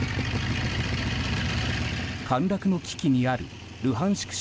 陥落の危機にあるルハンスク